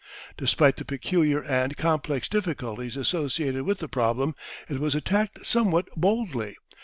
Despite the peculiar and complex difficulties associated with the problem it was attacked some what boldly.